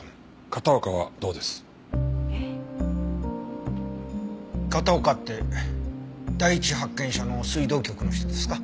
片岡って第一発見者の水道局の人ですか？